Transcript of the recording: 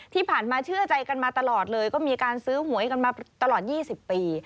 ที่ผ่านมาเชื่อใจกันมาตลอดเลยก็มีการซื้อหวยกันมาตลอด๒๐ปี